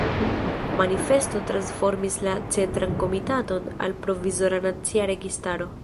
Manifesto transformis la Centran Komitaton al Provizora Nacia Registaro.